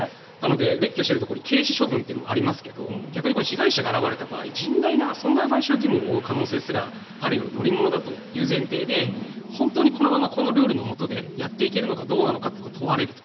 列挙しているところに刑事処分というのもありますが逆に被害者が現れた場合甚大な損害賠償義務を負う可能性すらあるような乗り物だという前提で本当にルールのもとでやっていけるのかどうかが問われると。